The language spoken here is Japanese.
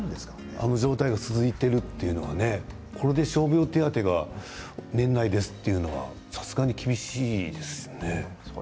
この状態が続いているのはこれで傷病手当が年内ですというのはさすがに厳しいですよね。